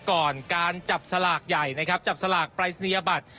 ก่อนการจับสลากใหญ่นะครับจับสลากปรายศนียบัตร